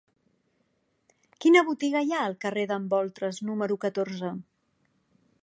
Quina botiga hi ha al carrer d'en Boltres número catorze?